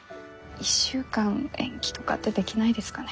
１週間延期とかってできないですかね？